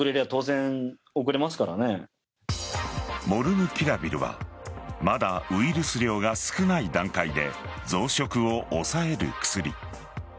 モルヌピラビルはまだウイルス量が少ない段階で増殖を抑える薬。